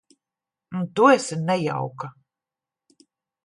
Un tu esi nejauka.